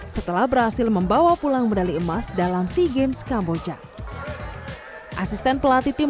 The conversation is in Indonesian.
setelah berhasil membawa pulang medali emas dalam sea games kamboja asisten pelatih tim